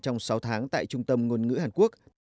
trong sáu tháng tại trung tâm ngôn ngữ hàn quốc